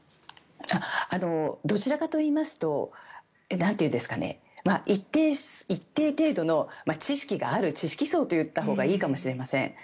どちらかといいますと一定程度の知識がある知識層といったほうがいいかもしれません。